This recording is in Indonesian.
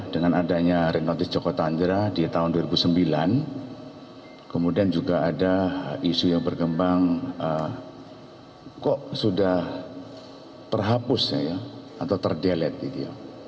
dengan adanya red notice joko chandra di tahun dua ribu sembilan kemudian juga ada isu yang bergembang kok sudah terhapus ya atau ter delete